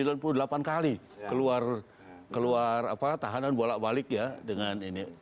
kalau tidak salah sembilan puluh delapan kali keluar tahanan bolak balik ya dengan ini